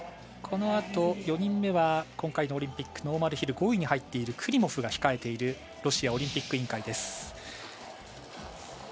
このあと４人目は今回のオリンピックノーマルヒルで５位に入っているクリモフが控えているロシアオリンピック委員会です。